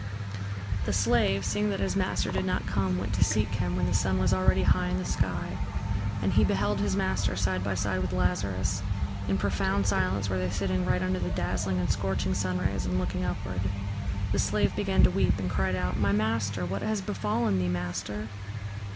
The slave, seeing that his master did not come, went to seek him, when the sun was already high in the sky. And he beheld his master side by side with Lazarus: in profound silence were they sitting right under the dazzling and scorching sunrays and looking upward. The slave began to weep and cried out: "My master, what has befallen thee, master?"